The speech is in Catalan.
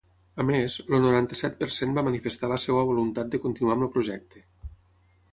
A més, el noranta-set per cent va manifestar la seua voluntat de continuar amb el projecte.